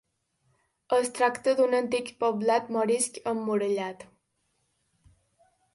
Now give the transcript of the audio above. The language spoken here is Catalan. Es tracta d'un antic poblat morisc emmurallat.